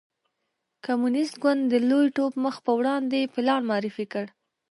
کمونېست ګوند د لوی ټوپ مخ په وړاندې پلان معرفي کړ.